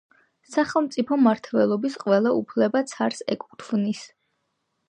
სახელმწიფო მმართველობის ყველა უფლება ცარს ეკუთვნის.